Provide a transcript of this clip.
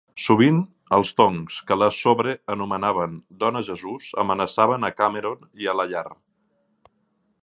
Sovint, els Tongs, que la sobrenomenaven "Dona Jesús", amenaçaven a Cameron i a la llar.